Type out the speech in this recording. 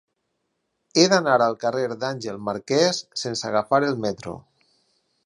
He d'anar al carrer d'Àngel Marquès sense agafar el metro.